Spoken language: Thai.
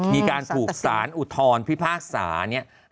มีการถูกสารอุทธรพิพากษาเนี่ย